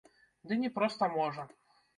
Ды не проста можа!